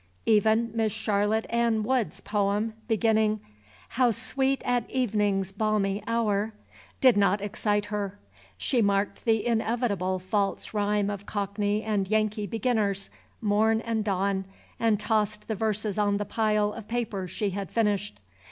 Even Miss Charlotte Ann Wood's poem, beginning "How sweet at evening's balmy hour," did not excite her. She marked the inevitable false rhyme of Cockney and Yankee beginners, morn and dawn, and tossed the verses on the pile of papers she had finished.